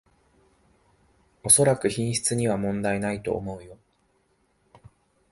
おそらく品質には問題ないと思うよ